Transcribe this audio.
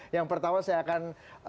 yang pertama saya akan